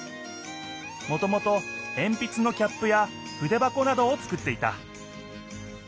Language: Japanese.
もともとえんぴつのキャップやふでばこなどを作っていた。